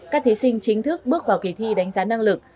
các thí sinh chính thức bước vào kỳ thi đánh giá năng lực